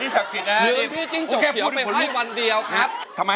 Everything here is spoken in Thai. มันมีไหลละอิสระทั้งความคิด